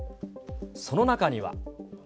その中には。